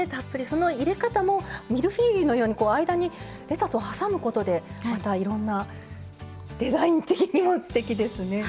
その入れ方もミルフィーユのようにこう間にレタスをはさむことでまたいろんなデザイン的にもすてきですね。